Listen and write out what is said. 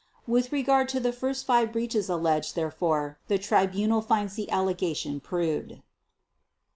(With regard to the first five breaches alleged, therefore, the Tribunal finds the allegation proved.)